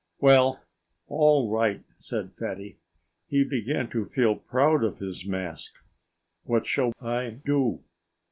"Well all right!" said Fatty. He began to feel proud of his mask. "What shall I do?"